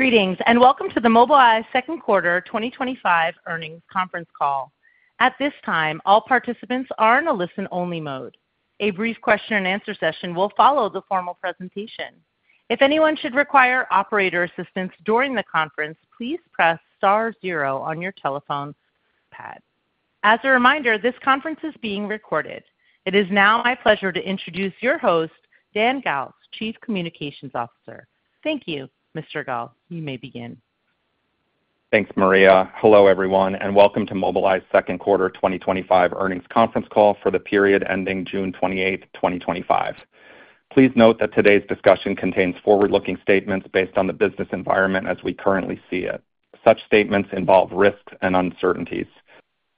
Greetings, and welcome to the Mobileye second quarter 2025 earnings conference call. At this time, all participants are in a listen-only mode. A brief question-and-answer session will follow the formal presentation. If anyone should require operator assistance during the conference, please press star zero on your telephone pad. As a reminder, this conference is being recorded. It is now my pleasure to introduce your host, Dan Galves, Chief Communications Officer. Thank you, Mr. Galves. You may begin. Thanks, Maria. Hello, everyone, and welcome to Mobileye second quarter 2025 earnings conference call for the period ending June 28th, 2025. Please note that today's discussion contains forward-looking statements based on the business environment as we currently see it. Such statements involve risks and uncertainties.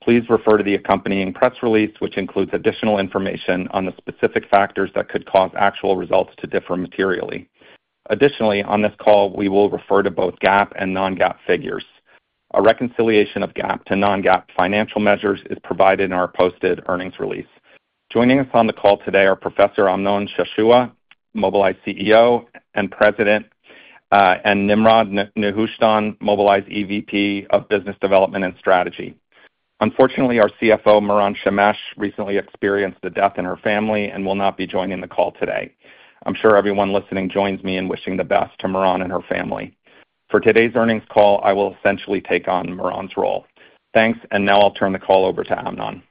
Please refer to the accompanying press release, which includes additional information on the specific factors that could cause actual results to differ materially. Additionally, on this call, we will refer to both GAAP and non-GAAP figures. A reconciliation of GAAP to non-GAAP financial measures is provided in our posted earnings release. Joining us on the call today are Professor Amnon Shashua, Mobileye CEO and President, and Nimrod Nehushtan, Mobileye's EVP of Business Development and Strategy. Unfortunately, our CFO, Moran Shemesh, recently experienced a death in her family and will not be joining the call today. I'm sure everyone listening joins me in wishing the best to Moran and her family. For today's earnings call, I will essentially take on Moran's role. Thanks, and now I'll turn the call over to Amnon.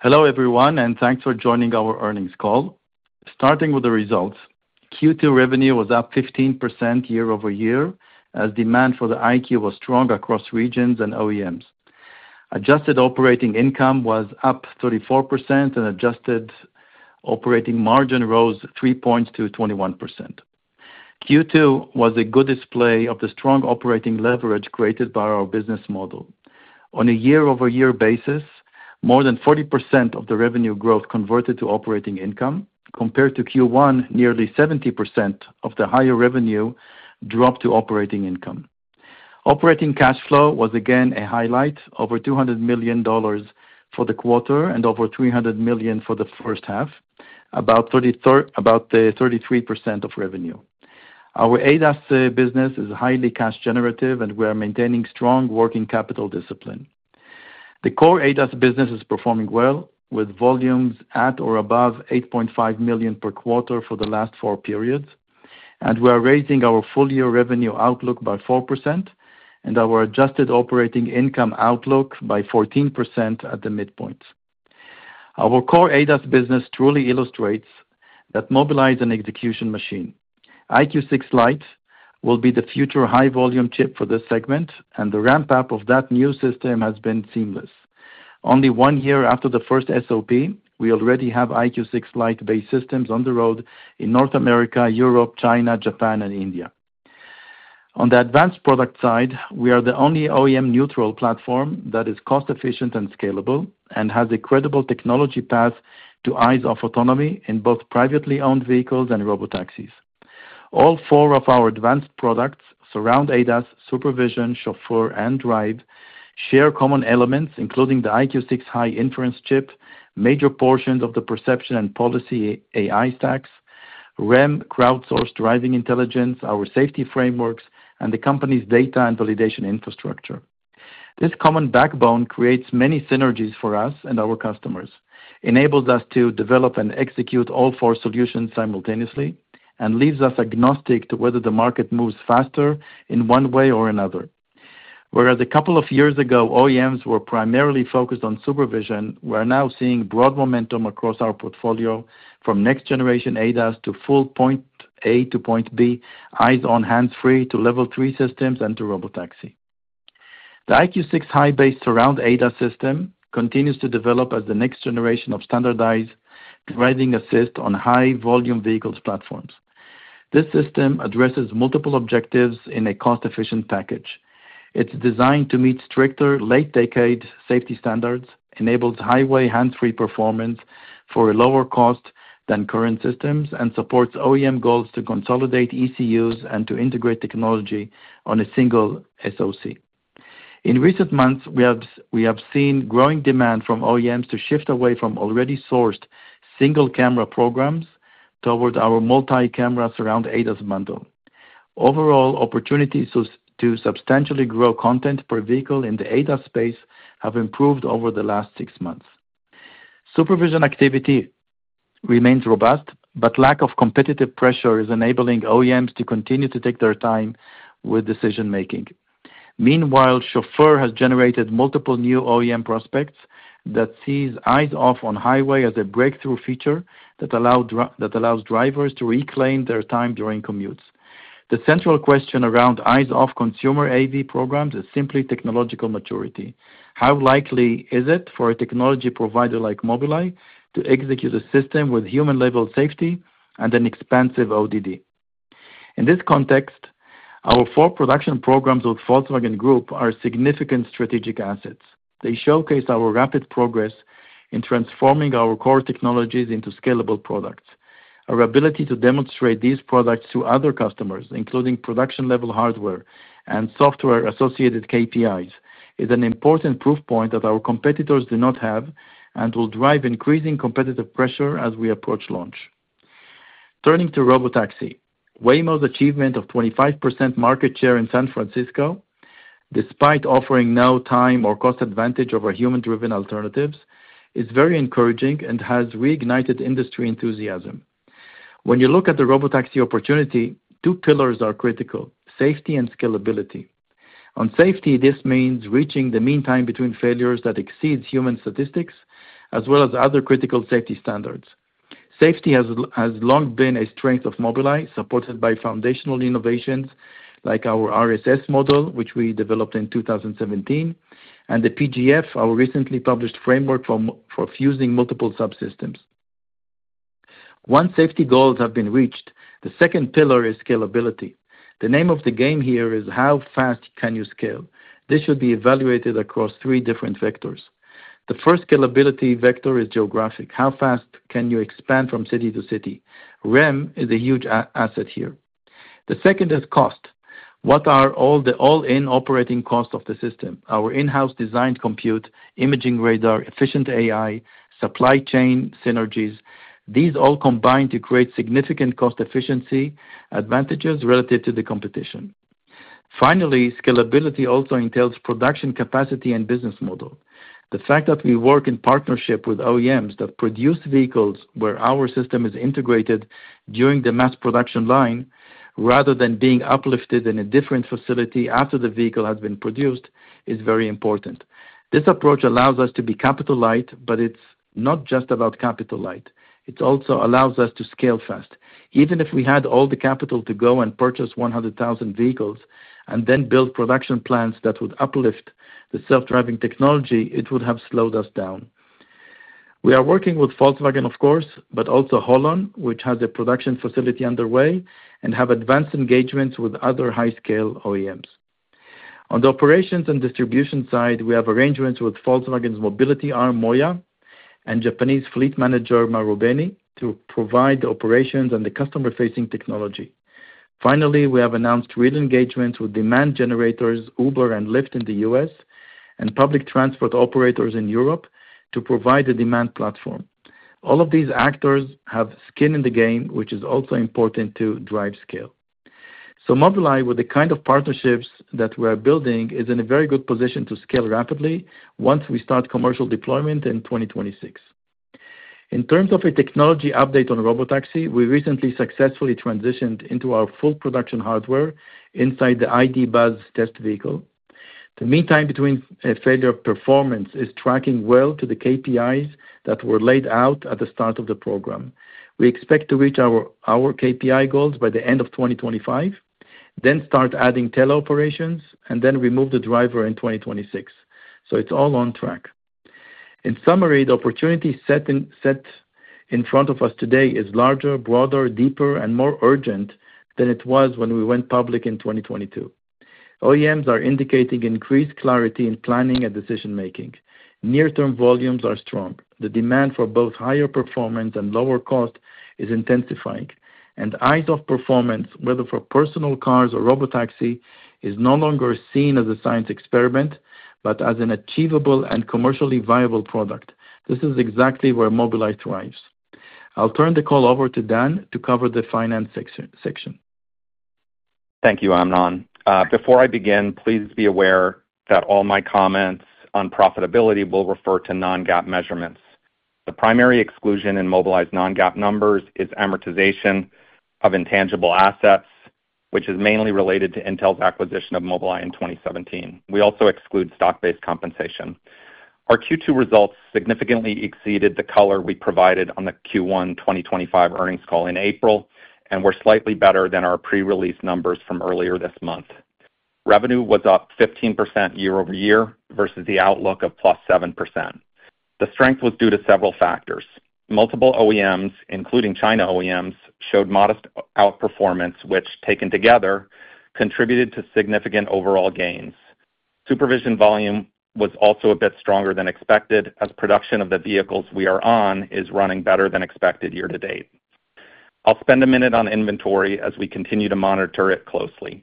Hello, everyone, and thanks for joining our earnings call. Starting with the results, Q2 revenue was up 15% year-over-year as demand for the EyeQ was strong across regions and OEMs. Adjusted operating income was up 34%, and adjusted operating margin rose 3 percentage points to 21%. Q2 was a good display of the strong operating leverage created by our business model. On a year-over-year basis, more than 40% of the revenue growth converted to operating income. Compared to Q1, nearly 70% of the higher revenue dropped to operating income. Operating cash flow was again a highlight: over $200 million for the quarter and over $300 million for the first half, about 33% of revenue. Our ADAS business is highly cash-generative, and we are maintaining strong working capital discipline. The core ADAS business is performing well, with volumes at or above 8.5 million per quarter for the last four periods, and we are raising our full-year revenue outlook by 4% and our adjusted operating income outlook by 14% at the midpoint. Our core ADAS business truly illustrates that Mobileye is an execution machine. EyeQ6 Lite will be the future high-volume chip for this segment, and the ramp-up of that new system has been seamless. Only one year after the first SOP, we already have EyeQ6 Lite-based systems on the road in North America, Europe, China, Japan, and India. On the advanced product side, we are the only OEM-neutral platform that is cost-efficient and scalable and has a credible technology path to eyes-off autonomy in both privately owned vehicles and robotaxis. All four of our advanced products—Surround ADAS, SuperVision, Chauffeur, and Drive—share common elements, including the EyeQ6 High-inference chip, major portions of the perception and policy AI stacks, REM crowdsourced driving intelligence, our safety frameworks, and the company's data and validation infrastructure. This common backbone creates many synergies for us and our customers, enables us to develop and execute all four solutions simultaneously, and leaves us agnostic to whether the market moves faster in one way or another. Whereas a couple of years ago, OEMs were primarily focused on SuperVision, we are now seeing broad momentum across our portfolio from next-generation ADAS to full point A to point B, eyes-on hands-free to level 3 systems, and to robotaxi. The EyeQ6-based Surround ADAS system continues to develop as the next generation of standardized driving assist on high-volume vehicle platforms. This system addresses multiple objectives in a cost-efficient package. It's designed to meet stricter late-decade safety standards, enables highway hands-free performance for a lower cost than current systems, and supports OEM goals to consolidate ECUs and to integrate technology on a single SoC. In recent months, we have seen growing demand from OEMs to shift away from already sourced single-camera programs toward our multi-camera Surround ADAS bundle. Overall, opportunities to substantially grow content per vehicle in the ADAS space have improved over the last six months. SuperVision activity remains robust, but lack of competitive pressure is enabling OEMs to continue to take their time with decision-making. Meanwhile, Chauffeur has generated multiple new OEM prospects that see eyes-off on highway as a breakthrough feature that allows drivers to reclaim their time during commutes. The central question around eyes-off consumer AV programs is simply technological maturity. How likely is it for a technology provider like Mobileye to execute a system with human-level safety and an expansive ODD? In this context, our four production programs with Volkswagen Group are significant strategic assets. They showcase our rapid progress in transforming our core technologies into scalable products. Our ability to demonstrate these products to other customers, including production-level hardware and software-associated KPIs, is an important proof point that our competitors do not have and will drive increasing competitive pressure as we approach launch. Turning to robotaxi, Waymo's achievement of 25% market share in San Francisco, despite offering no time or cost advantage over human-driven alternatives, is very encouraging and has reignited industry enthusiasm. When you look at the robotaxi opportunity, two pillars are critical: safety and scalability. On safety, this means reaching the mean time between failures that exceeds human statistics, as well as other critical safety standards. Safety has long been a strength of Mobileye, supported by foundational innovations like our RSS model, which we developed in 2017, and the PGF, our recently published framework for fusing multiple subsystems. Once safety goals have been reached, the second pillar is scalability. The name of the game here is how fast can you scale. This should be evaluated across three different vectors. The first scalability vector is geographic. How fast can you expand from city to city? REM is a huge asset here. The second is cost. What are all the all-in operating costs of the system? Our in-house designed compute, imaging radar, efficient AI, supply chain synergies—these all combine to create significant cost-efficiency advantages relative to the competition. Finally, scalability also entails production capacity and business model. The fact that we work in partnership with OEMs that produce vehicles where our system is integrated during the mass production line, rather than being uplifted in a different facility after the vehicle has been produced, is very important. This approach allows us to be capital-light, but it's not just about capital-light. It also allows us to scale fast. Even if we had all the capital to go and purchase 100,000 vehicles and then build production plants that would uplift the self-driving technology, it would have slowed us down. We are working with Volkswagen, of course, but also HOLON, which has a production facility underway, and have advanced engagements with other high-scale OEMs. On the operations and distribution side, we have arrangements with Volkswagen's mobility arm, MOIA, and Japanese fleet manager, Marubeni, to provide the operations and the customer-facing technology. Finally, we have announced real engagements with demand generators, Uber and Lyft in the U.S., and public transport operators in Europe to provide the demand platform. All of these actors have skin in the game, which is also important to drive scale. Mobileye, with the kind of partnerships that we are building, is in a very good position to scale rapidly once we start commercial deployment in 2026. In terms of a technology update on robotaxi, we recently successfully transitioned into our full production hardware inside the ID. Buzz test vehicle. The mean time between failure performance is tracking well to the KPIs that were laid out at the start of the program. We expect to reach our KPI goals by the end of 2025, then start adding teleoperations, and then remove the driver in 2026. It is all on track. In summary, the opportunity set in front of us today is larger, broader, deeper, and more urgent than it was when we went public in 2022. OEMs are indicating increased clarity in planning and decision-making. Near-term volumes are strong. The demand for both higher performance and lower cost is intensifying. Eyes-off performance, whether for personal cars or robotaxi, is no longer seen as a science experiment but as an achievable and commercially viable product. This is exactly where Mobileye thrives. I will turn the call over to Dan to cover the finance section. Thank you, Amnon. Before I begin, please be aware that all my comments on profitability will refer to non-GAAP measurements. The primary exclusion in Mobileye's non-GAAP numbers is amortization of intangible assets, which is mainly related to Intel's acquisition of Mobileye in 2017. We also exclude stock-based compensation. Our Q2 results significantly exceeded the color we provided on the Q1 2025 earnings call in April and were slightly better than our pre-release numbers from earlier this month. Revenue was up 15% year-over-year versus the outlook of plus 7%. The strength was due to several factors. Multiple OEMs, including China OEMs, showed modest outperformance, which, taken together, contributed to significant overall gains. SuperVision volume was also a bit stronger than expected as production of the vehicles we are on is running better than expected year to date. I'll spend a minute on inventory as we continue to monitor it closely.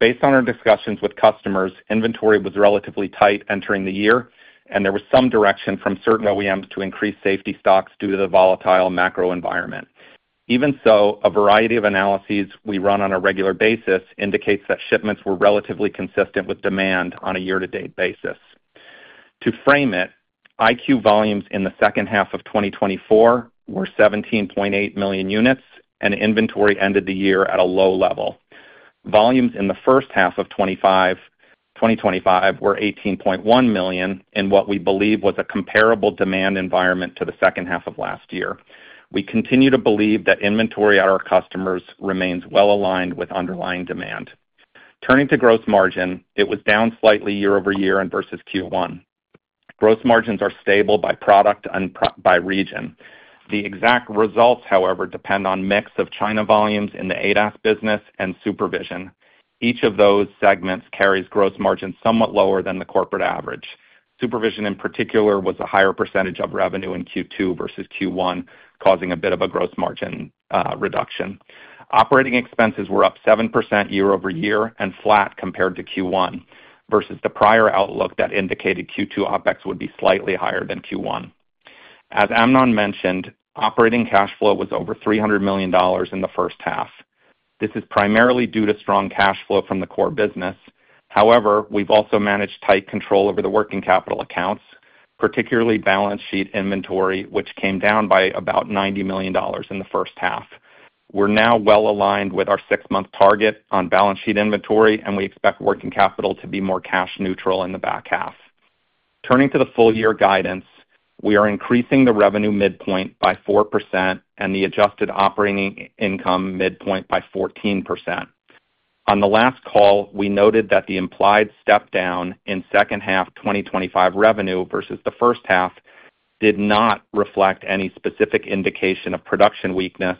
Based on our discussions with customers, inventory was relatively tight entering the year, and there was some direction from certain OEMs to increase safety stocks due to the volatile macro environment. Even so, a variety of analyses we run on a regular basis indicates that shipments were relatively consistent with demand on a year-to-date basis. To frame it, EyeQ volumes in the second half of 2024 were 17.8 million units, and inventory ended the year at a low level. Volumes in the first half of 2025 were 18.1 million in what we believe was a comparable demand environment to the second half of last year. We continue to believe that inventory at our customers remains well aligned with underlying demand. Turning to gross margin, it was down slightly year over year versus Q1. Gross margins are stable by product and by region. The exact results, however, depend on the mix of China volumes in the ADAS business and SuperVision. Each of those segments carries gross margins somewhat lower than the corporate average. SuperVision, in particular, was a higher percentage of revenue in Q2 versus Q1, causing a bit of a gross margin reduction. Operating expenses were up 7% year-over-year and flat compared to Q1 versus the prior outlook that indicated Q2 operating expenses would be slightly higher than Q1. As Amnon mentioned, operating cash flow was over $300 million in the first half. This is primarily due to strong cash flow from the core business. However, we've also managed tight control over the working capital accounts, particularly balance sheet inventory, which came down by about $90 million in the first half. We're now well aligned with our six-month target on balance sheet inventory, and we expect working capital to be more cash-neutral in the back half. Turning to the full-year guidance, we are increasing the revenue midpoint by 4% and the adjusted operating income midpoint by 14%. On the last call, we noted that the implied step down in second-half 2025 revenue versus the first half did not reflect any specific indication of production weakness,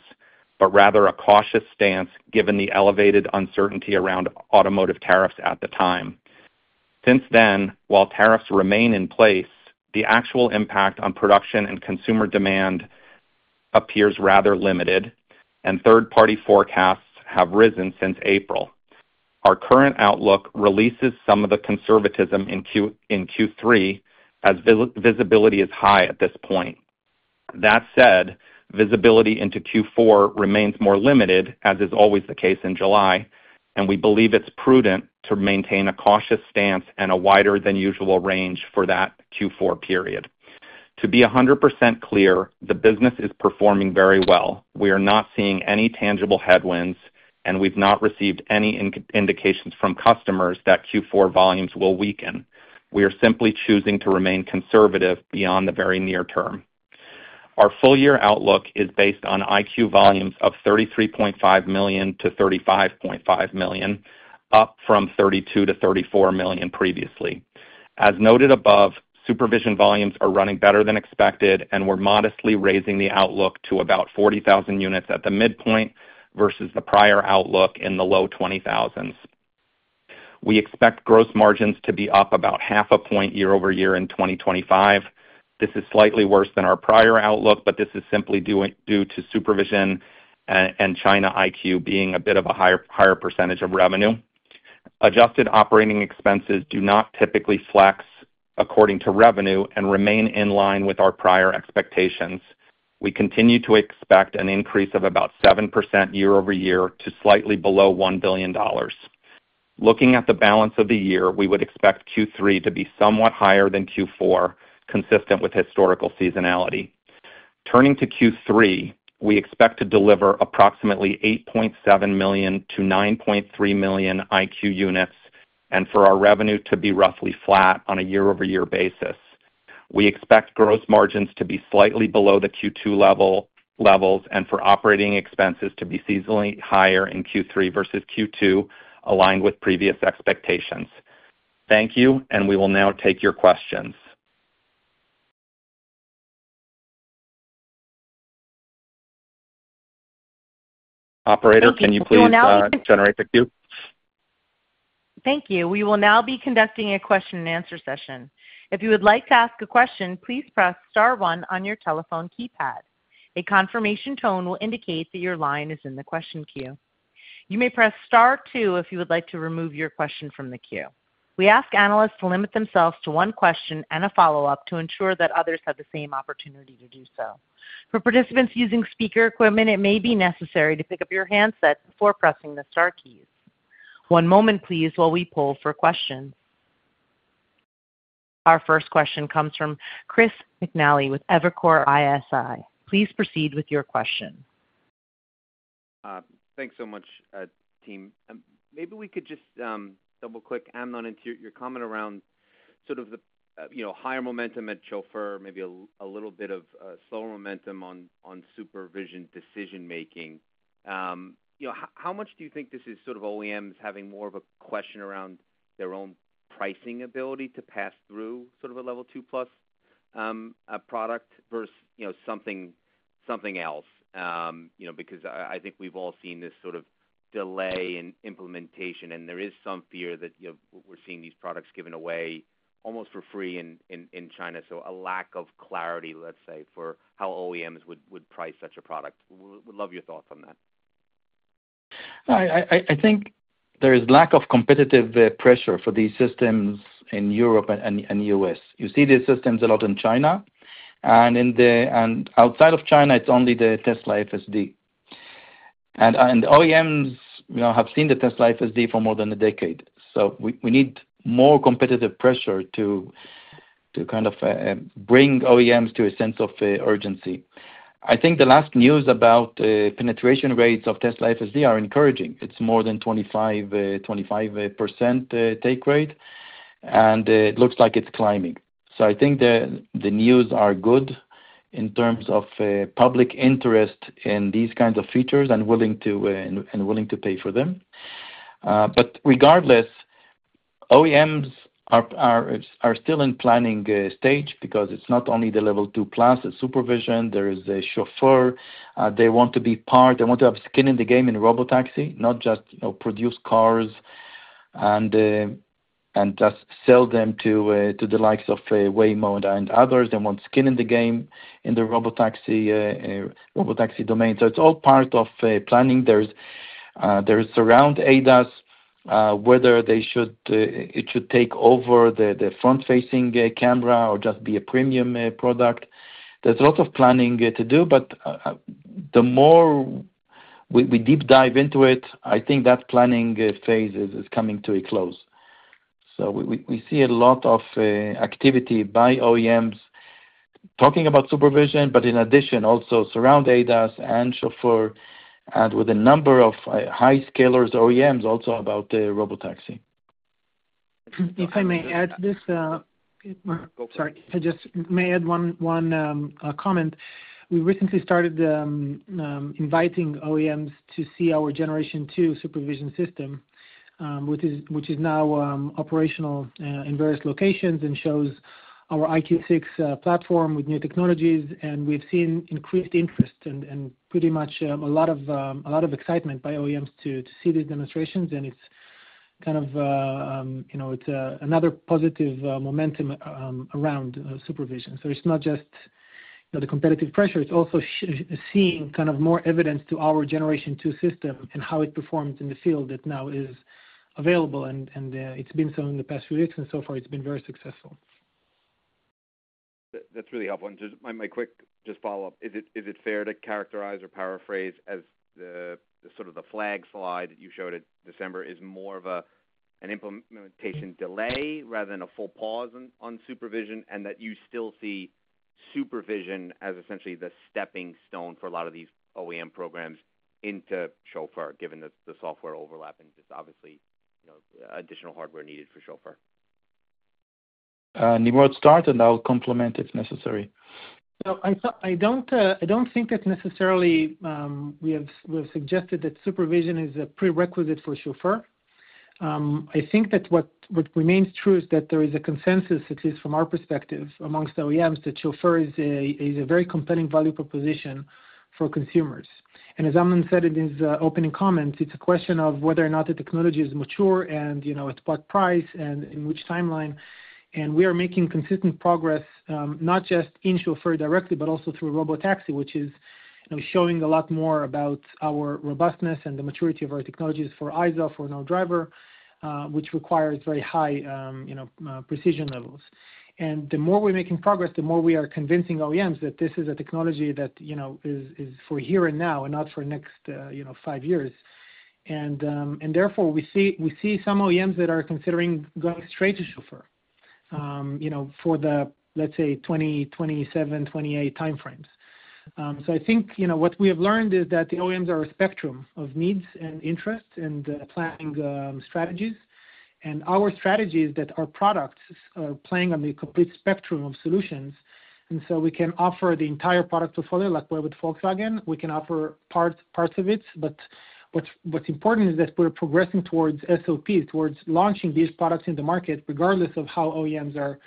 but rather a cautious stance given the elevated uncertainty around automotive tariffs at the time. Since then, while tariffs remain in place, the actual impact on production and consumer demand appears rather limited, and third-party forecasts have risen since April. Our current outlook releases some of the conservatism in Q3 as visibility is high at this point. That said, visibility into Q4 remains more limited, as is always the case in July, and we believe it's prudent to maintain a cautious stance and a wider-than-usual range for that Q4 period. To be 100% clear, the business is performing very well. We are not seeing any tangible headwinds, and we've not received any indications from customers that Q4 volumes will weaken. We are simply choosing to remain conservative beyond the very near term. Our full-year outlook is based on EyeQ volumes of 33.5 million-35.5 million, up from 32million-34 million previously. As noted above, SuperVision volumes are running better than expected, and we're modestly raising the outlook to about 40,000 units at the midpoint versus the prior outlook in the low 20,000s. We expect gross margins to be up about half a percentage point year over year in 2025. This is slightly worse than our prior outlook, but this is simply due to SuperVision and China EyeQ being a bit of a higher percentage of revenue. Adjusted operating expenses do not typically flex according to revenue and remain in line with our prior expectations. We continue to expect an increase of about 7% year-over-year to slightly below $1 billion. Looking at the balance of the year, we would expect Q3 to be somewhat higher than Q4, consistent with historical seasonality. Turning to Q3, we expect to deliver approximately 8.7 million-9.3 million EyeQ units and for our revenue to be roughly flat on a year-over-year basis. We expect gross margins to be slightly below the Q2 levels and for operating expenses to be seasonally higher in Q3 versus Q2, aligned with previous expectations. Thank you, and we will now take your questions. Operator, can you please turn the mic to generate the queue? Thank you. We will now be conducting a question-and-answer session. If you would like to ask a question, please press star one on your telephone keypad. A confirmation tone will indicate that your line is in the question queue. You may press star two if you would like to remove your question from the queue. We ask analysts to limit themselves to one question and a follow-up to ensure that others have the same opportunity to do so. For participants using speaker equipment, it may be necessary to pick up your handset before pressing the star keys. One moment, please, while we poll for questions. Our first question comes from Chris McNally with Evercore ISI. Please proceed with your question. Thanks so much, team. Maybe we could just double-click, Amnon, into your comment around sort of the higher momentum at Chauffeur, maybe a little bit of slower momentum on SuperVision decision-making. How much do you think this is sort of OEMs having more of a question around their own pricing ability to pass through sort of a level 2+ product versus something else? Because I think we've all seen this sort of delay in implementation, and there is some fear that we're seeing these products given away almost for free in China. So a lack of clarity, let's say, for how OEMs would price such a product. We'd love your thoughts on that. I think there is a lack of competitive pressure for these systems in Europe and the U.S. You see these systems a lot in China, and outside of China, it's only the Tesla FSD. OEMs have seen the Tesla FSD for more than a decade. We need more competitive pressure to kind of bring OEMs to a sense of urgency. I think the last news about penetration rates of Tesla FSD are encouraging. It's more than 25% take rate, and it looks like it's climbing. I think the news are good in terms of public interest in these kinds of features and willing to pay for them. Regardless, OEMs are still in the planning stage because it's not only the level 2+, it's SuperVision, there is a Chauffeur. They want to be part, they want to have skin in the game in robotaxi, not just produce cars and just sell them to the likes of Waymo and others. They want skin in the game in the robotaxi domain. It's all part of planning. There's around ADAS, whether it should take over the front-facing camera or just be a premium product. There's lots of planning to do. The more we deep dive into it, I think that planning phase is coming to a close. We see a lot of activity by OEMs talking about SuperVision, but in addition, also Surround ADAS and Chauffeur, and with a number of high-scalers OEMs also about the robotaxi. If I may add this. Sorry, I just may add one comment. We recently started inviting OEMs to see our Generation 2 SuperVision system, which is now operational in various locations and shows our EyeQ6 platform with new technologies. We've seen increased interest and pretty much a lot of excitement by OEMs to see these demonstrations, and it's kind of another positive momentum around SuperVision. It's not just the competitive pressure, it's also seeing kind of more evidence to our Generation 2 system and how it performs in the field that now is available. It's been so in the past few weeks, and so far, it's been very successful. That's really helpful. Just my quick follow-up. Is it fair to characterize or paraphrase as sort of the flag slide that you showed in December is more of an implementation delay rather than a full pause on SuperVision, and that you still see SuperVision as essentially the stepping stone for a lot of these OEM programs into Chauffeur, given the software overlap and just obviously additional hardware needed for Chauffeur? Nimrod, start, and I'll complement if necessary. I don't think that necessarily we have suggested that SuperVision is a prerequisite for Chauffeur. I think that what remains true is that there is a consensus, at least from our perspective amongst OEMs, that Chauffeur is a very compelling value proposition for consumers. As Amnon said in his opening comments, it's a question of whether or not the technology is mature and at what price and in which timeline. We are making consistent progress not just in Chauffeur directly, but also through robotaxi, which is showing a lot more about our robustness and the maturity of our technologies for ISO, for no driver, which requires very high precision levels. The more we're making progress, the more we are convincing OEMs that this is a technology that is for here and now and not for the next five years. Therefore, we see some OEMs that are considering going straight to Chauffeur for the, let's say, 2027-2028 timeframes. I think what we have learned is that the OEMs are a spectrum of needs and interests and planning strategies. Our strategy is that our products are playing on the complete spectrum of solutions. We can offer the entire product portfolio, like we're with Volkswagen. We can offer parts of it, but what's important is that we're progressing towards SOPs, towards launching these products in the market, regardless of how OEMs are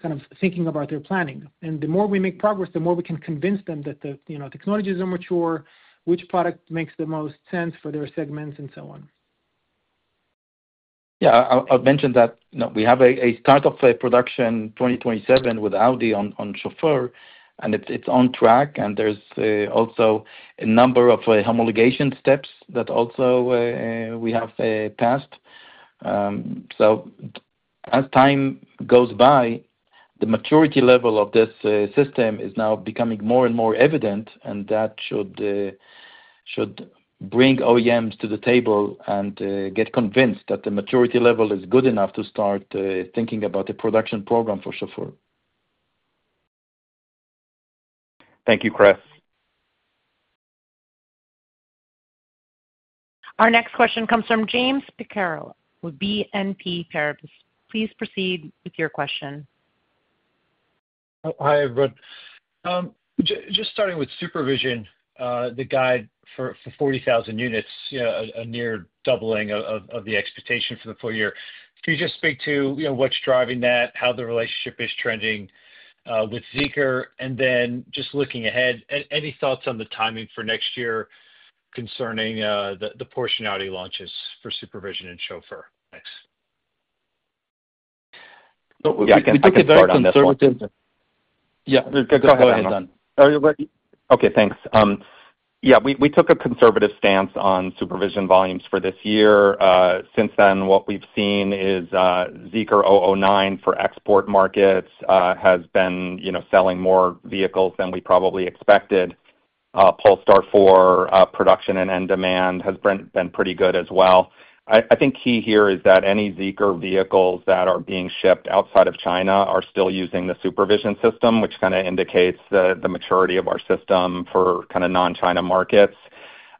kind of thinking about their planning. The more we make progress, the more we can convince them that the technologies are mature, which product makes the most sense for their segments, and so on. Yeah, I'll mention that we have a start of production 2027 with Audi on Chauffeur, and it's on track. There's also a number of homologation steps that we have passed. As time goes by, the maturity level of this system is now becoming more and more evident, and that should bring OEMs to the table and get convinced that the maturity level is good enough to start thinking about the production program for Chauffeur. Thank you, Chris. Our next question comes from James Picariello with BNP Paribas. Please proceed with your question. Hi, everyone. Just starting with SuperVision, the guide for 40,000 units, a near doubling of the expectation for the full year. Can you just speak to what's driving that, how the relationship is trending with Zeekr, and then just looking ahead, any thoughts on the timing for next year concerning the portionality launches for SuperVision and Chauffeur? Thanks. We took a conservative— Yeah, go ahead, Dan. Okay, thanks. Yeah, we took a conservative stance on SuperVision volumes for this year. Since then, what we've seen is Zeekr 009 for export markets has been selling more vehicles than we probably expected. Polestar 4 production and end demand has been pretty good as well. I think key here is that any Zeekr vehicles that are being shipped outside of China are still using the SuperVision system, which kind of indicates the maturity of our system for kind of non-China markets.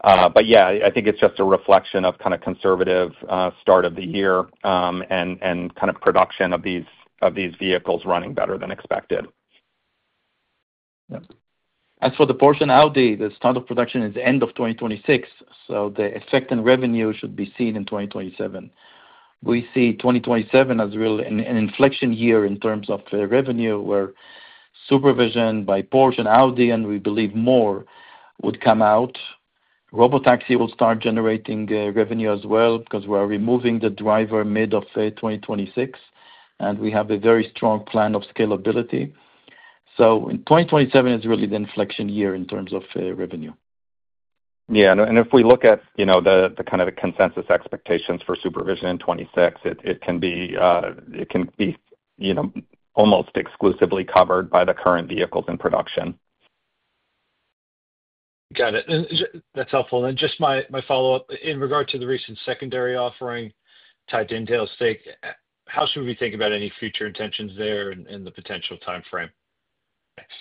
Yeah, I think it's just a reflection of kind of conservative start of the year and kind of production of these vehicles running better than expected. As for the portionality, the start of production is end of 2026, so the effect on revenue should be seen in 2027. We see 2027 as really an inflection year in terms of revenue where SuperVision by Porsche, Audi, and we believe more would come out. Robotaxi will start generating revenue as well because we are removing the driver mid of 2026, and we have a very strong plan of scalability. In 2027 is really the inflection year in terms of revenue. Yeah, and if we look at the kind of consensus expectations for SuperVision in 2026, it can be almost exclusively covered by the current vehicles in production. Got it. That's helpful. Just my follow-up in regard to the recent secondary offering tied to Intel's stake, how should we think about any future intentions there and the potential timeframe? Thanks.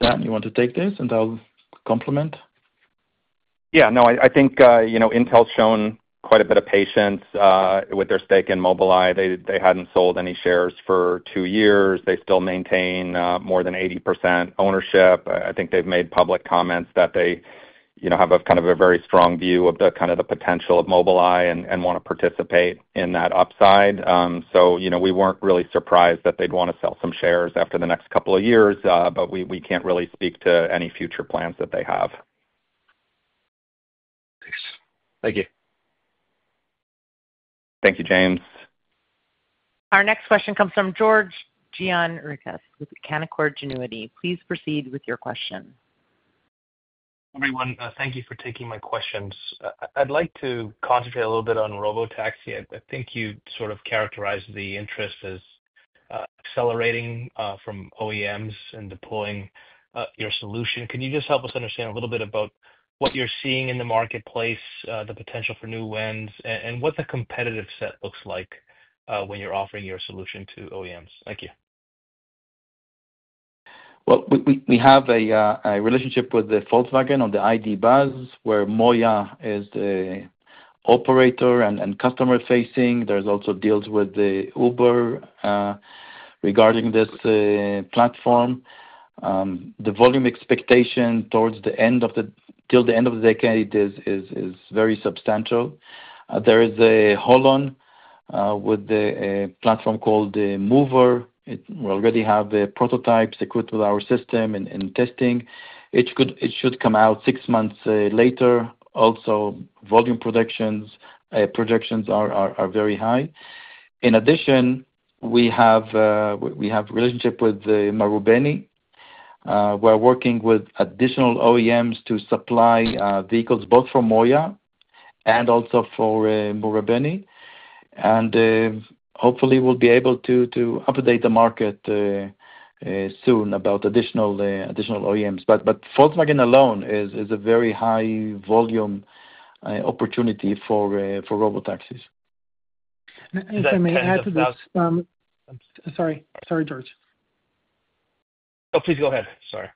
Dan, you want to take this, and I'll complement? Yeah, no, I think Intel's shown quite a bit of patience with their stake in Mobileye. They hadn't sold any shares for two years. They still maintain more than 80% ownership. I think they've made public comments that they have kind of a very strong view of kind of the potential of Mobileye and want to participate in that upside. We weren't really surprised that they'd want to sell some shares after the next couple of years, but we can't really speak to any future plans that they have. Thanks. Thank you. Thank you, James. Our next question comes from George Gianarikas with Canaccord Genuity. Please proceed with your question. Everyone, thank you for taking my questions. I'd like to concentrate a little bit on robotaxi. I think you sort of characterized the interest as accelerating from OEMs and deploying your solution. Can you just help us understand a little bit about what you're seeing in the marketplace, the potential for new wins, and what the competitive set looks like when you're offering your solution to OEMs? Thank you. We have a relationship with Volkswagen on the ID. Buzz, where MOIA is the operator and customer-facing. There are also deals with Uber regarding this platform. The volume expectation till the end of the decade is very substantial. There is HOLON with a platform called Mover. We already have a prototype equipped with our system and testing. It should come out six months later. Also, volume projections are very high. In addition, we have a relationship with Marubeni. We are working with additional OEMs to supply vehicles both for MOIA and also for Marubeni. Hopefully, we will be able to update the market soon about additional OEMs. Volkswagen alone is a very high-volume opportunity for robotaxis. I may add to this. Sorry, sorry, George. Oh, please go ahead. Sorry.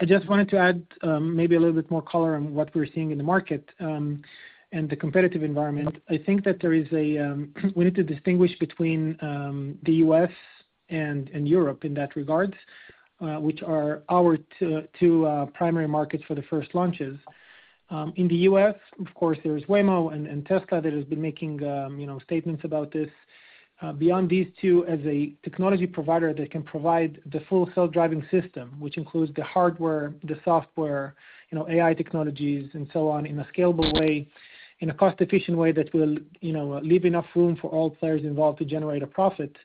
I just wanted to add maybe a little bit more color on what we're seeing in the market. And the competitive environment, I think that there is a we need to distinguish between the U.S. and Europe in that regard, which are our two primary markets for the first launches. In the U.S., of course, there's Waymo and Tesla that have been making statements about this. Beyond these two, as a technology provider that can provide the full self-driving system, which includes the hardware, the software, AI technologies, and so on in a scalable way, in a cost-efficient way that will leave enough room for all players involved to generate a profit,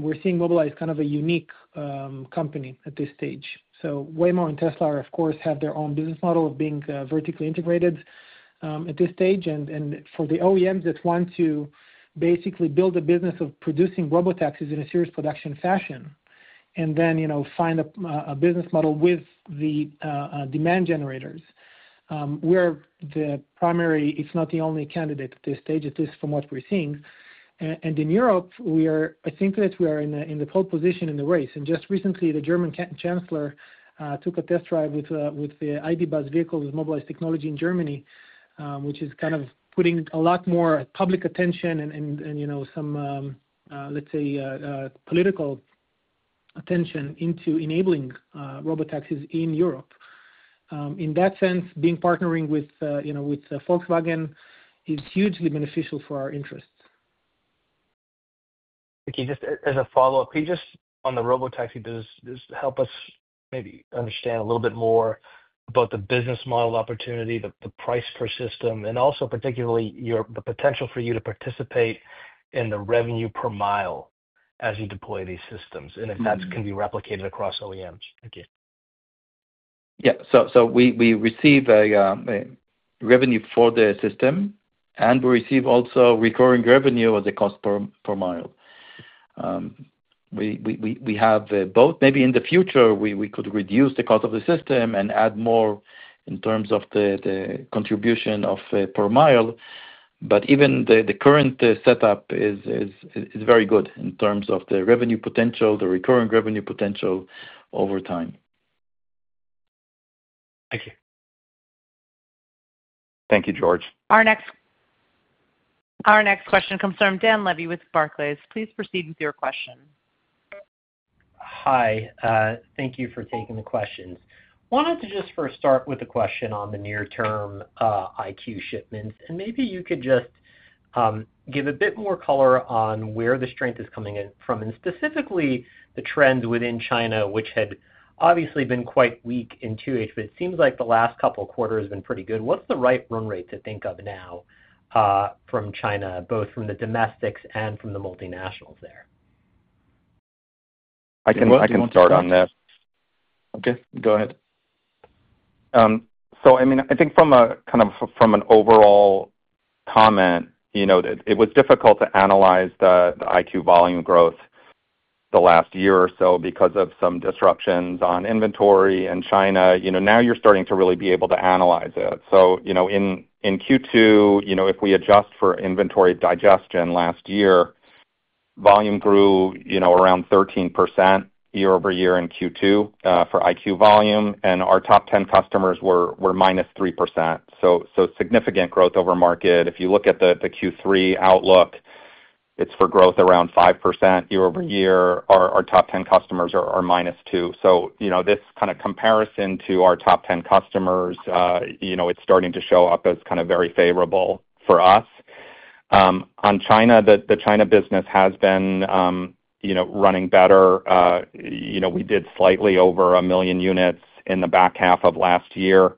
we're seeing Mobileye as kind of a unique company at this stage. So Waymo and Tesla, of course, have their own business model of being vertically integrated. At this stage. And for the OEMs that want to basically build a business of producing robotaxis in a serious production fashion and then find a business model with the demand generators, we're the primary, if not the only candidate at this stage, at least from what we're seeing. And in Europe, I think that we are in the pole position in the race. And just recently, the German chancellor took a test drive with the ID. Buzz vehicle with Mobileye's technology in Germany, which is kind of putting a lot more public attention and some, let's say, political attention into enabling robotaxis in Europe. In that sense, being partnering with Volkswagen is hugely beneficial for our interests. Thank you. Just as a follow-up, can you just, on the robotaxi, just help us maybe understand a little bit more about the business model opportunity, the price per system, and also particularly the potential for you to participate in the revenue per mile as you deploy these systems and if that can be replicated across OEMs? Thank you. Yeah. We receive revenue for the system, and we receive also recurring revenue as a cost per mile. We have both. Maybe in the future, we could reduce the cost of the system and add more in terms of the contribution per mile. Even the current setup is very good in terms of the revenue potential, the recurring revenue potential over time. Thank you. Thank you, George. Our next question comes from Dan Levy with Barclays. Please proceed with your question. Hi. Thank you for taking the questions. I wanted to just first start with a question on the near-term EyeQ shipments. Maybe you could just give a bit more color on where the strength is coming from and specifically the trends within China, which had obviously been quite weak in two weeks, but it seems like the last couple of quarters have been pretty good. What's the right run rate to think of now from China, both from the domestics and from the multinationals there? I can start on that. Okay. Go ahead. I mean, I think from kind of an overall comment, it was difficult to analyze the EyeQ volume growth the last year or so because of some disruptions on inventory in China. Now you're starting to really be able to analyze it. In Q2, if we adjust for inventory digestion last year, volume grew around 13% year-over-year in Q2 for EyeQ volume. Our top 10 customers were -3%. Significant growth over market. If you look at the Q3 outlook, it's for growth around 5% year-over-year. Our top 10 customers are -2%. This kind of comparison to our top 10 customers is starting to show up as very favorable for us. On China, the China business has been running better. We did slightly over 1 million units in the back half of last year.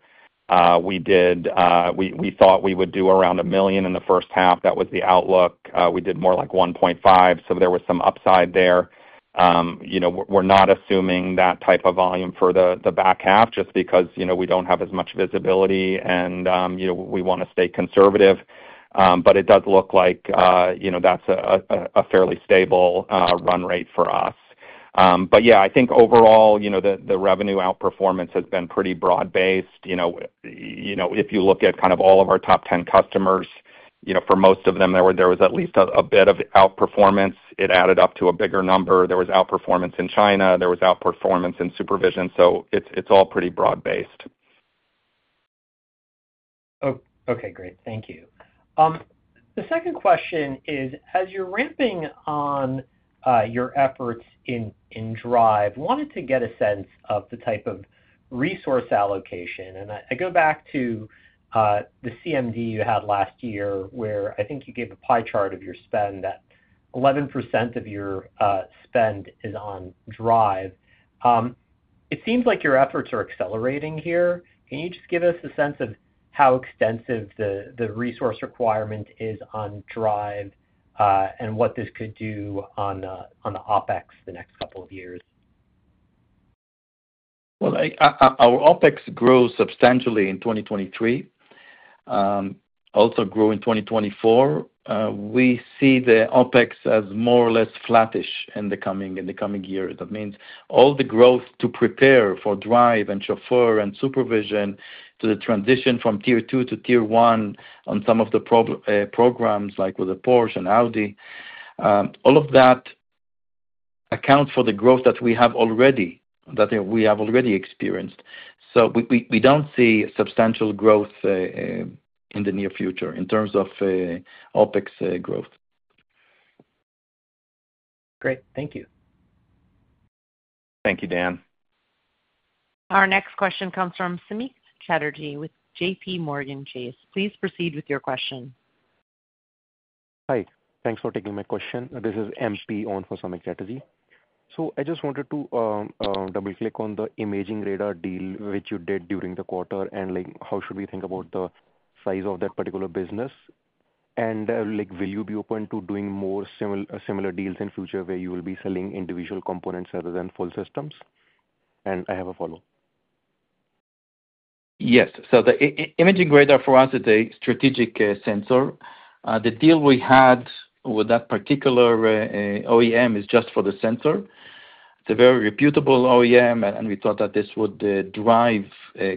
We thought we would do around 1 million in the first half. That was the outlook. We did more like 1.5 million. There was some upside there. We're not assuming that type of volume for the back half just because we don't have as much visibility, and we want to stay conservative. It does look like that's a fairly stable run rate for us. I think overall, the revenue outperformance has been pretty broad-based. If you look at all of our top 10 customers, for most of them, there was at least a bit of outperformance. It added up to a bigger number. There was outperformance in China. There was outperformance in SuperVision. It's all pretty broad-based. Okay, great. Thank you. The second question is, as you're ramping on your efforts in Drive, I wanted to get a sense of the type of resource allocation. I go back to the CMD you had last year where I think you gave a pie chart of your spend that 11% of your spend is on Drive. It seems like your efforts are accelerating here. Can you just give us a sense of how extensive the resource requirement is on Drive, and what this could do on the OpEx the next couple of years? Our OpEx grew substantially in 2023. Also grew in 2024. We see the OpEx as more or less flattish in the coming year. That means all the growth to prepare for Drive and Chauffeur and SuperVision to the transition from tier two to tier one on some of the programs like with Porsche and Audi. All of that accounts for the growth that we have already experienced. We do not see substantial growth in the near future in terms of OpEx growth. Great. Thank you. Thank you, Dan. Our next question comes from Samik Chatterjee with JPMorgan Chase. Please proceed with your question. Hi. Thanks for taking my question. This is MP for Samik Chatterjee. I just wanted to double-click on the imaging radar deal which you did during the quarter and how should we think about the size of that particular business. Will you be open to doing more similar deals in the future where you will be selling individual components rather than full systems? I have a follow-up. Yes. The imaging radar for us is a strategic sensor. The deal we had with that particular OEM is just for the sensor. It's a very reputable OEM, and we thought that this would drive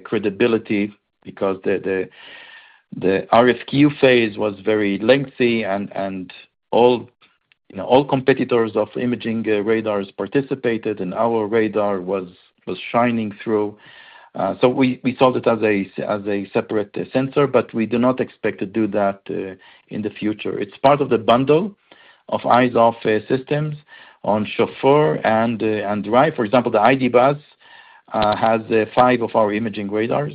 credibility because the RFQ phase was very lengthy, and all competitors of imaging radars participated, and our radar was shining through. We sold it as a separate sensor, but we do not expect to do that in the future. It's part of the bundle of Eyes Off systems on Chauffeur and Drive. For example, the ID. Buzz has five of our imaging radars,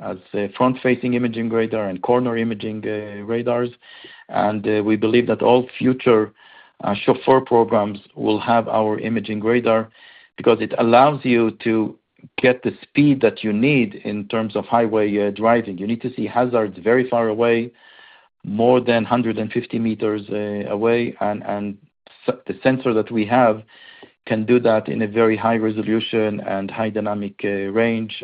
has front-facing imaging radar and corner imaging radars. We believe that all future Chauffeur programs will have our imaging radar because it allows you to get the speed that you need in terms of highway driving. You need to see hazards very far away, more than 150 m away. The sensor that we have can do that in a very high resolution and high dynamic range.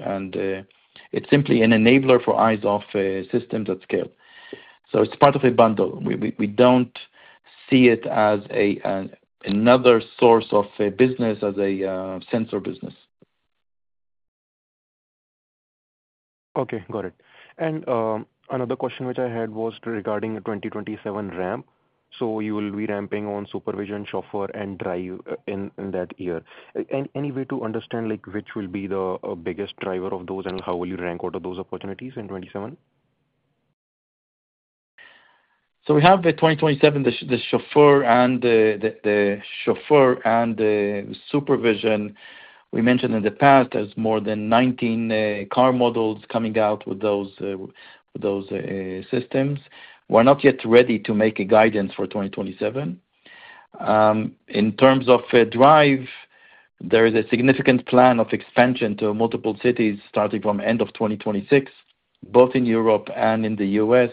It's simply an enabler for Eyes Off systems at scale. It's part of a bundle. We do not see it as another source of business as a sensor business. Okay. Got it. Another question which I had was regarding the 2027 ramp. You will be ramping on SuperVision, Chauffeur, and Drive in that year. Any way to understand which will be the biggest driver of those and how will you rank out of those opportunities in 2027? We have the 2027, the Chauffeur and the Chauffeur and the SuperVision. We mentioned in the past there's more than 19 car models coming out with those systems. We're not yet ready to make a guidance for 2027. In terms of Drive, there is a significant plan of expansion to multiple cities starting from the end of 2026, both in Europe and in the U.S.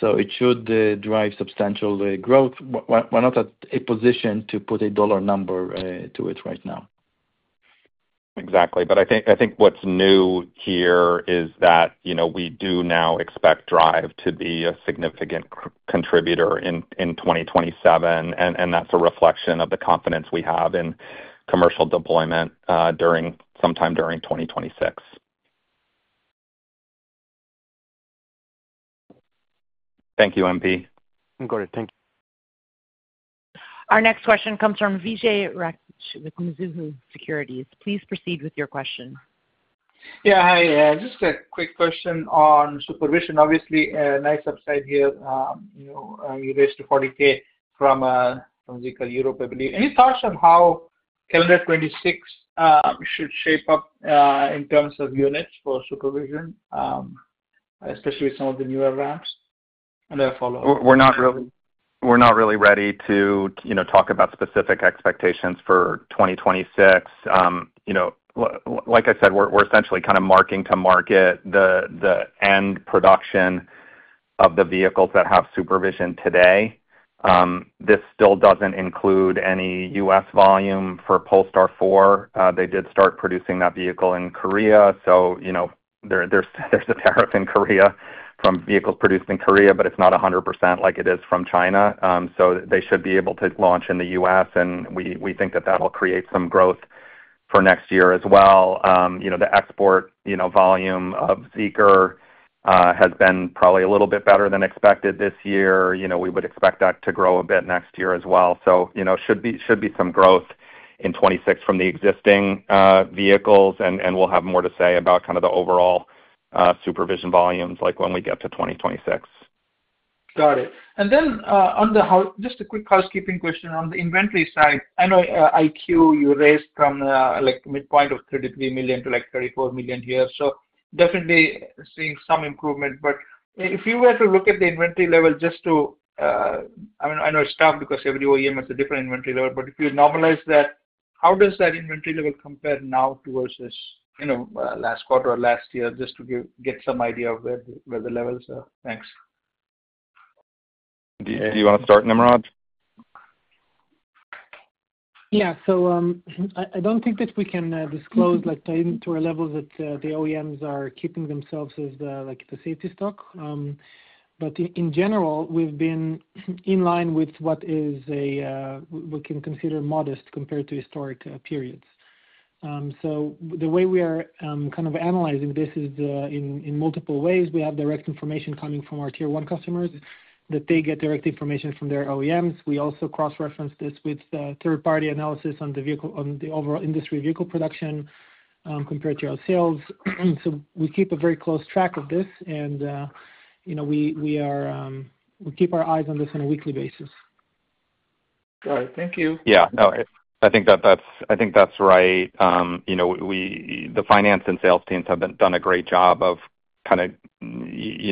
It should drive substantial growth. We're not at a position to put a dollar number to it right now. Exactly. I think what's new here is that we do now expect Drive to be a significant contributor in 2027. That's a reflection of the confidence we have in commercial deployment sometime during 2026. Thank you, MP. Got it. Thank you. Our next question comes from Vijay Rakesh with Mizuho Securities. Please proceed with your question. Yeah. Hi. Just a quick question on SuperVision. Obviously, nice upside here. You raised to 40,000 from vehicle Europe, I believe. Any thoughts on how calendar 2026 should shape up in terms of units for SuperVision, especially with some of the newer ramps? I have a follow-up. We're not really ready to talk about specific expectations for 2026. Like I said, we're essentially kind of marking to market the end production of the vehicles that have SuperVision today. This still doesn't include any U.S. volume for Polestar 4. They did start producing that vehicle in Korea. There is a tariff in Korea from vehicles produced in Korea, but it's not 100% like it is from China. They should be able to launch in the U.S., and we think that that'll create some growth for next year as well. The export volume of Zeekr has been probably a little bit better than expected this year. We would expect that to grow a bit next year as well. There should be some growth in 2026 from the existing vehicles. We'll have more to say about the overall SuperVision volumes when we get to 2026. Got it. And then just a quick housekeeping question on the inventory side. I know EyeQ you raised from midpoint of 33 million-34 million here. So definitely seeing some improvement. But if you were to look at the inventory level just to. I mean,I know it's tough because every OEM has a different inventory level. But if you normalize that, how does that inventory level compare now versus. Last quarter or last year just to get some idea of where the levels are? Thanks. Do you want to start, Nimrod? Yeah. I do not think that we can disclose to our levels that the OEMs are keeping themselves as the safety stock. In general, we have been in line with what is, we can consider, modest compared to historic periods. The way we are kind of analyzing this is in multiple ways. We have direct information coming from our tier one customers that they get direct information from their OEMs. We also cross-reference this with third-party analysis on the overall industry vehicle production compared to our sales. We keep a very close track of this. We keep our eyes on this on a weekly basis. Got it. Thank you. Yeah. No. I think that's right. The finance and sales teams have done a great job of kind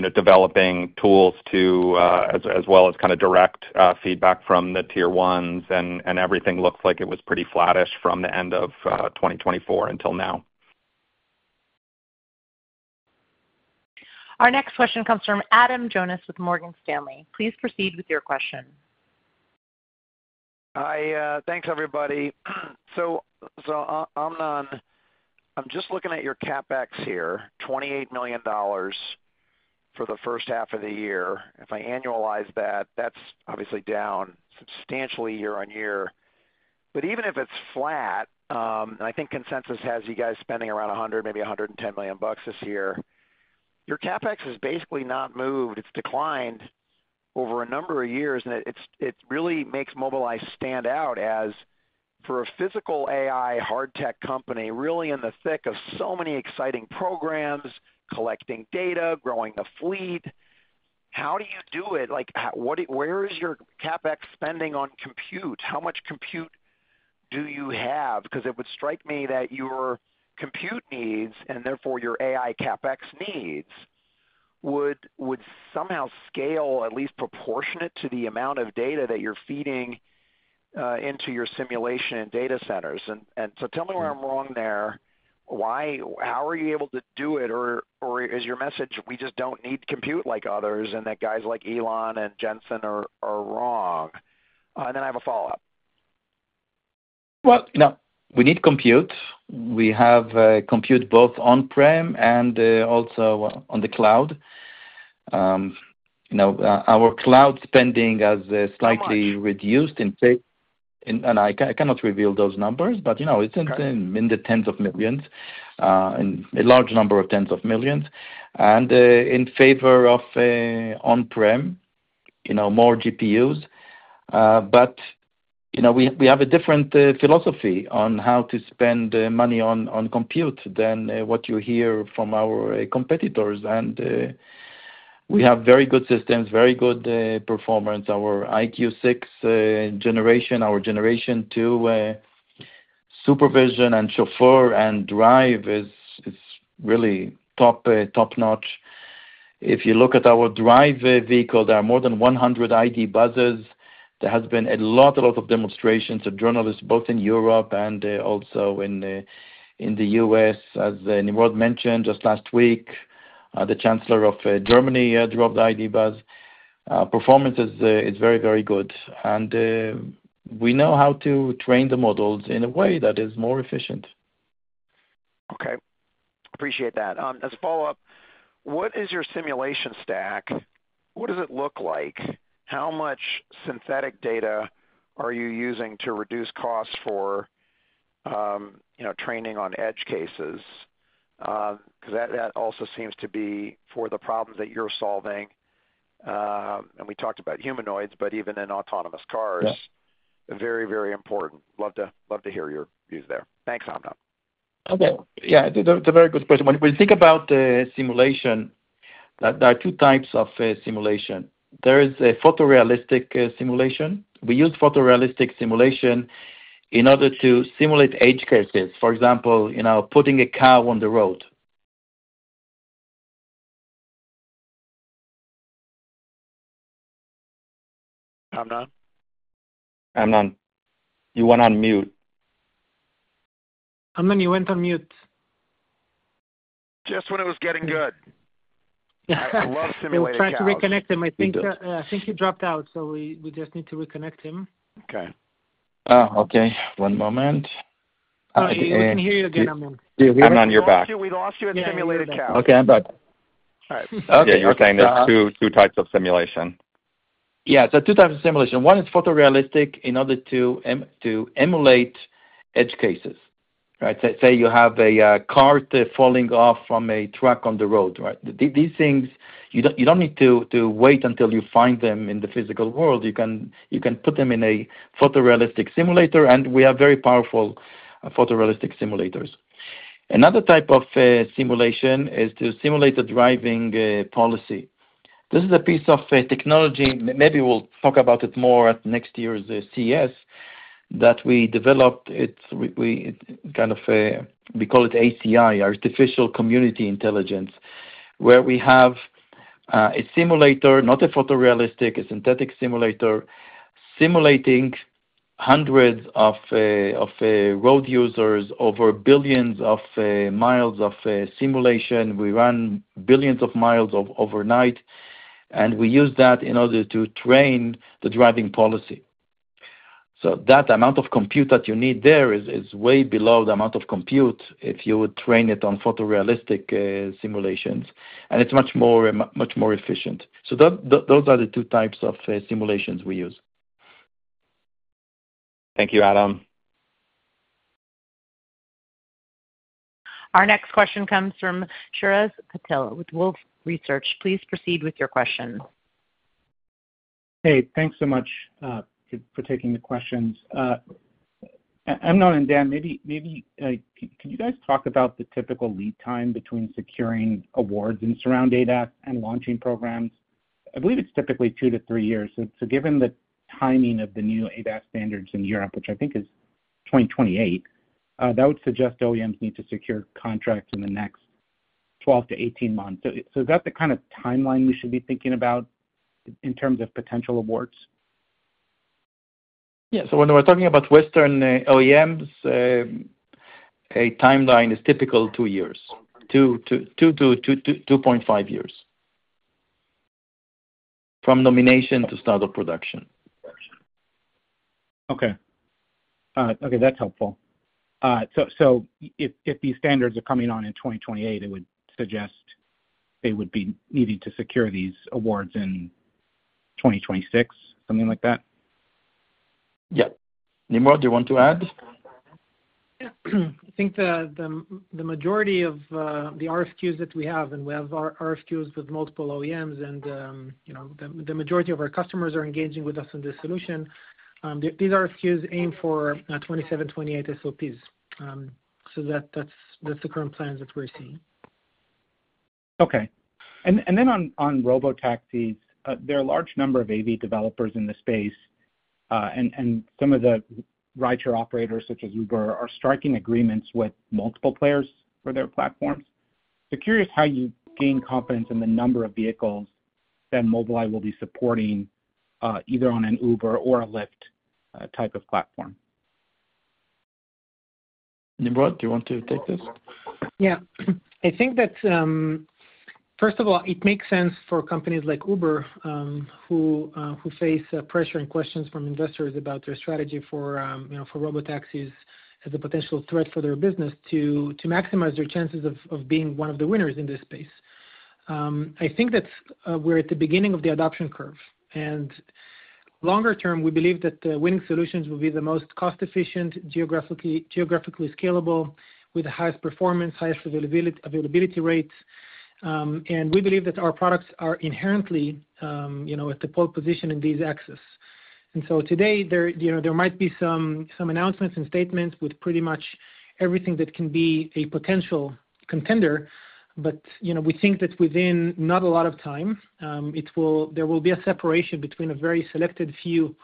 of developing tools to, as well as kind of direct feedback from the tier ones. Everything looks like it was pretty flattish from the end of 2024 until now. Our next question comes from Adam Jonas with Morgan Stanley. Please proceed with your question. Hi. Thanks, everybody. I'm just looking at your CapEx here, $28 million. For the first half of the year. If I annualize that, that's obviously down substantially year on year. Even if it's flat, and I think consensus has you guys spending around $100 million, maybe $110 million this year, your CapEx has basically not moved. It's declined over a number of years. It really makes Mobileye stand out as for a physical AI hard tech company, really in the thick of so many exciting programs, collecting data, growing a fleet. How do you do it? Where is your CapEx spending on compute? How much compute do you have? Because it would strike me that your compute needs and therefore your AI CapEx needs would somehow scale at least proportionate to the amount of data that you're feeding into your simulation and data centers. Tell me where I'm wrong there. How are you able to do it? Or is your message, "We just don't need compute like others," and that guys like Elon and Jensen are wrong? I have a follow-up. We need compute. We have compute both on-prem and also on the cloud. Our cloud spending has slightly reduced. I cannot reveal those numbers, but it's in the tens of millions. A large number of tens of millions. In favor of on-prem. More GPUs. We have a different philosophy on how to spend money on compute than what you hear from our competitors. We have very good systems, very good performance. Our EyeQ6 generation, our generation two SuperVision and Chauffeur and Drive is really top-notch. If you look at our Drive vehicle, there are more than 100 ID. Buzz vehicles. There has been a lot of demonstrations of journalists, both in Europe and also in the U.S. As Nimrod mentioned just last week, the Chancellor of Germany drove the ID. Buzz. Performance is very, very good. We know how to train the models in a way that is more efficient. Okay. Appreciate that. As a follow-up, what is your simulation stack? What does it look like? How much synthetic data are you using to reduce costs for training on edge cases? Because that also seems to be for the problems that you're solving. We talked about humanoids, but even in autonomous cars, very, very important. Love to hear your views there. Thanks, Amnon. Okay. Yeah. It's a very good question. When you think about the simulation, there are two types of simulation. There is a photorealistic simulation. We use photorealistic simulation in order to simulate edge cases. For example, putting a cow on the road. Amnon? Amnon, you went on mute. Amnon, you went on mute. Just when it was getting good. I love simulations. You're trying to reconnect him. I think you dropped out, so we just need to reconnect him. Okay. Oh, okay. One moment. We can hear you again, Amnon. Amnon, you're back. We lost you at the simulated cow. Okay. I'm back. All right. Okay. You were saying there's two types of simulation. Yeah. Two types of simulation. One is photorealistic in order to emulate edge cases. Say you have a cart falling off from a truck on the road. These things, you do not need to wait until you find them in the physical world. You can put them in a photorealistic simulator, and we have very powerful photorealistic simulators. Another type of simulation is to simulate the driving policy. This is a piece of technology. Maybe we will talk about it more at next year's CES that we developed. Kind of we call it ACI, Artificial Community Intelligence, where we have a simulator, not a photorealistic, a synthetic simulator, simulating hundreds of road users over billions of miles of simulation. We run billions of miles overnight. We use that in order to train the driving policy. That amount of compute that you need there is way below the amount of compute if you would train it on photorealistic simulations. It is much more efficient. Those are the two types of simulations we use. Thank you, Adam. Our next question comes from Shreyas Patel with Wolfe Research. Please proceed with your question. Hey, thanks so much for taking the questions. Amnon and Dan, maybe can you guys talk about the typical lead time between securing awards and Surround ADAS and launching programs? I believe it's typically two to three years. Given the timing of the new ADAS standards in Europe, which I think is 2028, that would suggest OEMs need to secure contracts in the next 12-18 months. Is that the kind of timeline we should be thinking about in terms of potential awards? Yeah. When we're talking about Western OEMs, a timeline is typical, two years. Two to 2.5 years from nomination to start of production. Okay. All right. Okay. That's helpful. If these standards are coming on in 2028, it would suggest they would be needing to secure these awards in 2026, something like that? Yeah. Nimrod, do you want to add? Yeah. I think the majority of the RFQs that we have, and we have RFQs with multiple OEMs, and the majority of our customers are engaging with us in this solution. These RFQs aim for 2027, 2028 SOPs. That is the current plans that we are seeing. Okay. And then on robotaxis, there are a large number of AV developers in the space. Some of the rideshare operators such as Uber are striking agreements with multiple players for their platforms. Curious how you gain confidence in the number of vehicles that Mobileye will be supporting either on an Uber or a Lyft type of platform. Nimrod, do you want to take this? Yeah. I think that. First of all, it makes sense for companies like Uber who face pressure and questions from investors about their strategy for robotaxis as a potential threat for their business to maximize their chances of being one of the winners in this space. I think that we're at the beginning of the adoption curve. Longer term, we believe that winning solutions will be the most cost-efficient, geographically scalable, with the highest performance, highest availability rates. We believe that our products are inherently a pole position in these axes. Today, there might be some announcements and statements with pretty much everything that can be a potential contender. We think that within not a lot of time, there will be a separation between a very selected few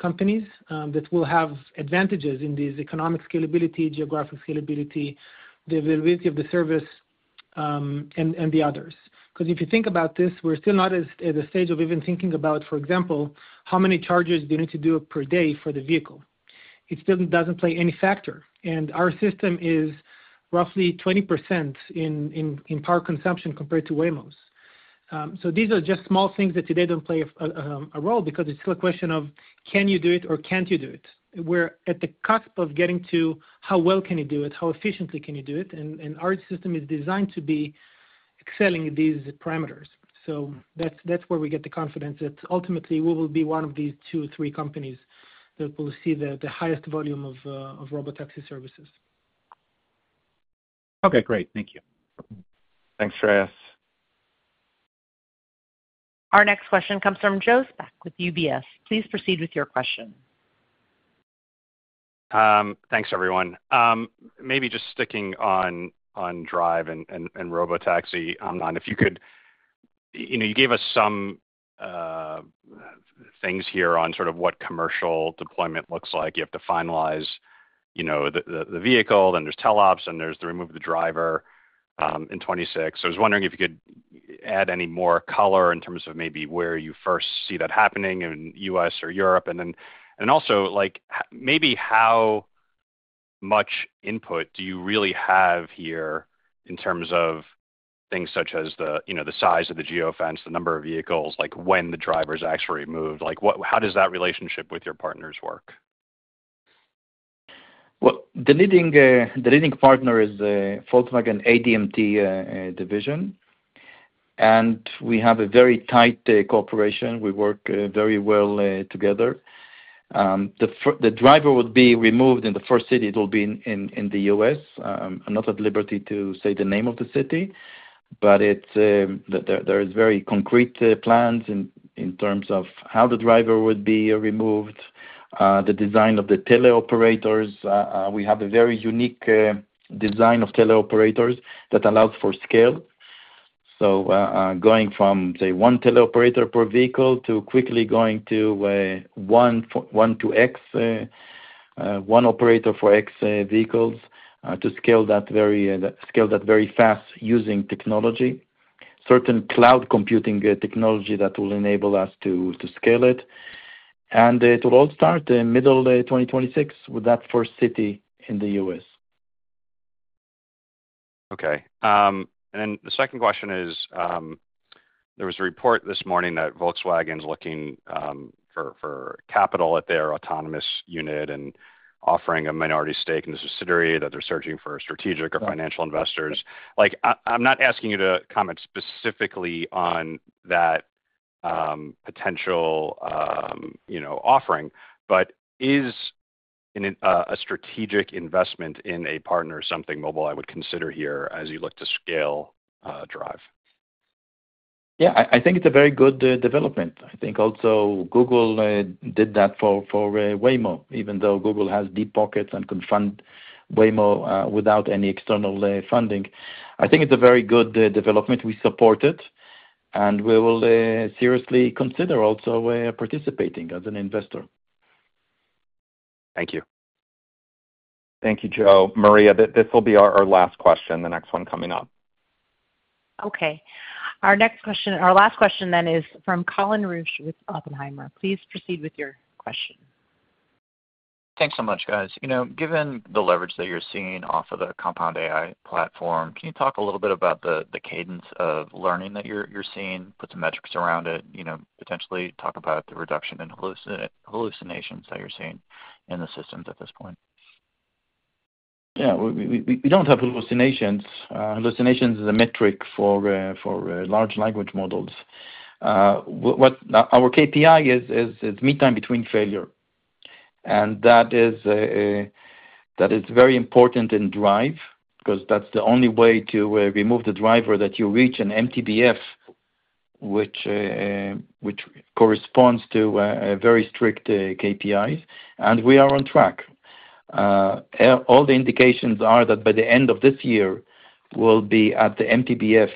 companies that will have advantages in these economic scalability, geographic scalability, the availability of the service, and the others. Because if you think about this, we're still not at a stage of even thinking about, for example, how many charges do you need to do per day for the vehicle. It still doesn't play any factor. Our system is roughly 20% in power consumption compared to Waymo's. These are just small things that today don't play a role because it's still a question of, can you do it or can't you do it? We're at the cusp of getting to how well can you do it, how efficiently can you do it. Our system is designed to be excelling in these parameters. That's where we get the confidence that ultimately we will be one of these two, three companies that will see the highest volume of robotaxi services. Okay. Great. Thank you. Thanks, Shreyas. Our next question comes from Joe with UBS. Please proceed with your question. Thanks, everyone. Maybe just sticking on Drive and robotaxi, Amnon, if you could. You gave us some things here on sort of what commercial deployment looks like. You have to finalize the vehicle, then there's teleops, and there's the remove of the driver in 2026. I was wondering if you could add any more color in terms of maybe where you first see that happening in the U.S. or Europe. Also, maybe how much input do you really have here in terms of things such as the size of the geofence, the number of vehicles, when the driver is actually removed? How does that relationship with your partners work? The leading partner is the Volkswagen ADMT division. We have a very tight cooperation. We work very well together. The driver would be removed in the first city. It will be in the U.S. I'm not at liberty to say the name of the city. There are very concrete plans in terms of how the driver would be removed. The design of the teleoperators. We have a very unique design of teleoperators that allows for scale. Going from, say, one teleoperator per vehicle to quickly going to one to X. One operator for X vehicles to scale that very fast using technology. Certain cloud computing technology that will enable us to scale it. It will all start in the middle of 2026 with that first city in the U.S. Okay. The second question is, there was a report this morning that Volkswagen is looking for capital at their autonomous unit and offering a minority stake in the subsidiary, that they're searching for strategic or financial investors. I'm not asking you to comment specifically on that potential offering, but is a strategic investment in a partner something Mobileye would consider here as you look to scale Drive? Yeah. I think it's a very good development. I think also Google did that for Waymo, even though Google has deep pockets and can fund Waymo without any external funding. I think it's a very good development. We support it. We will seriously consider also participating as an investor. Thank you. Thank you, Joe. Maria, this will be our last question, the next one coming up. Okay. Our last question then is from Colin Rusch with Oppenheimer. Please proceed with your question. Thanks so much, guys. Given the leverage that you're seeing off of the compound AI platform, can you talk a little bit about the cadence of learning that you're seeing, put some metrics around it, potentially talk about the reduction in hallucinations that you're seeing in the systems at this point? Yeah. We don't have hallucinations. Hallucinations is a metric for large language models. Our KPI is mean time between failure. That is very important in Drive because that's the only way to remove the driver, that you reach an MTBF, which corresponds to very strict KPIs. We are on track. All the indications are that by the end of this year, we'll be at the MTBF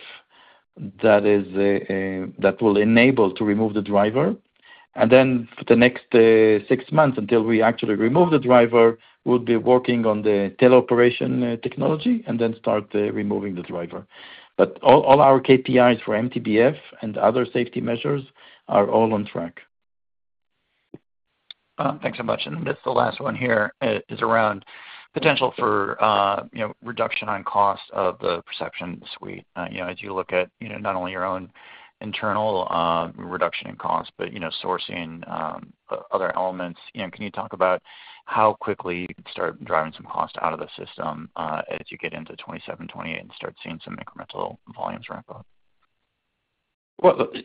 that will enable to remove the driver. For the next six months until we actually remove the driver, we'll be working on the teleoperation technology and then start removing the driver. All our KPIs for MTBF and other safety measures are all on track. Thanks so much. This is the last one here, around potential for reduction on cost of the perception suite. As you look at not only your own internal reduction in cost, but sourcing other elements, can you talk about how quickly you can start driving some cost out of the system as you get into 2027, 2028 and start seeing some incremental volumes ramp up?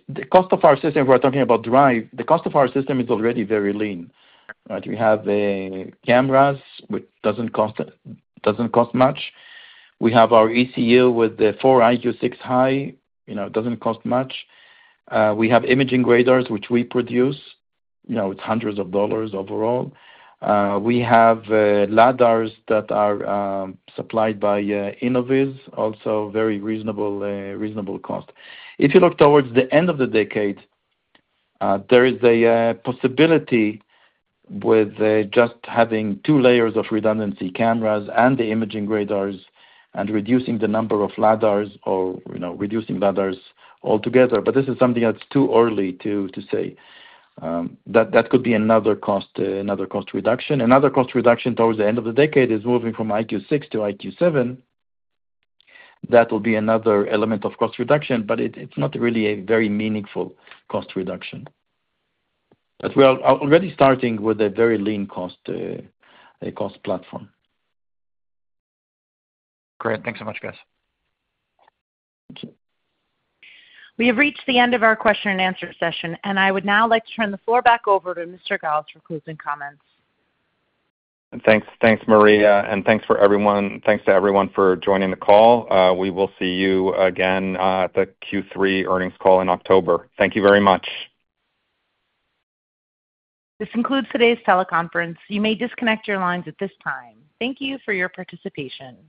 The cost of our system, we're talking about Drive, the cost of our system is already very lean. We have cameras, which doesn't cost much. We have our ECU with the EyeQ6 High. It doesn't cost much. We have imaging radars, which we produce. It's hundreds of dollars overall. We have LiDARs that are supplied by Innoviz, also very reasonable cost. If you look towards the end of the decade, there is a possibility, with just having two layers of redundancy, cameras and the imaging radars, and reducing the number of LiDARs or reducing LiDARs altogether. This is something that's too early to say. That could be another cost reduction. Another cost reduction towards the end of the decade is moving from EyeQ6 to EyeQ7. That will be another element of cost reduction, but it's not really a very meaningful cost reduction. We are already starting with a very lean cost platform. Great. Thanks so much, guys. Thank you. We have reached the end of our question and answer session, and I would now like to turn the floor back over to Mr. Galves for closing comments. Thanks, Maria, and thanks to everyone for joining the call. We will see you again at the Q3 earnings call in October. Thank you very much. This concludes today's teleconference. You may disconnect your lines at this time. Thank you for your participation.